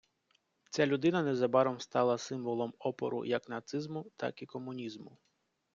Ця людина незабаром стала символом опору як нацизму, так і комунізму.